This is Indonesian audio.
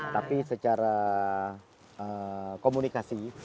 jadi ini sudah komunikasi